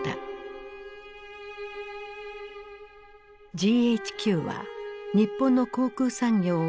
ＧＨＱは日本の航空産業を解体。